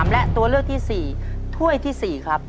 และตัวเลือกที่๔ถ้วยที่๔ครับ